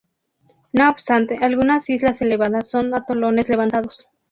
No obstante, algunas islas elevadas son atolones levantados.